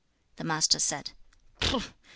The Master said 'Pooh!